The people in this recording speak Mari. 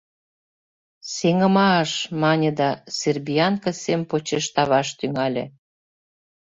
Сеҥымаш!» — мане да «Сербиянка» сем почеш таваш тӱҥале.